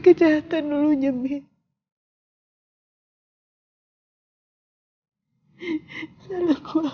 kejahatan dulu nyebel